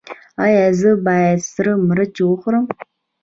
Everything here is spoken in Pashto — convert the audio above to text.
ایا زه باید سره مرچ وخورم؟